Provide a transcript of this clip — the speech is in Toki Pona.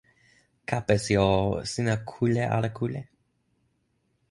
kapesi o, sina kule ala kule?